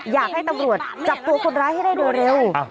อยากให้ตำรวจจับตัวคนร้ายให้ได้โดยเร็ว